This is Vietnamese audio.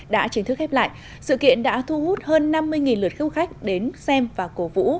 đã chính thức khép lại sự kiện đã thu hút hơn năm mươi lượt khúc khách đến xem và cổ vũ